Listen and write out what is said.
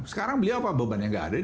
sekarang beliau apa bebannya nggak ada